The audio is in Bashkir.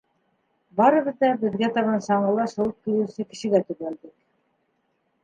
Барыбыҙ ҙа беҙгә табан саңғыла шыуып килеүсе кешегә төбәлдек.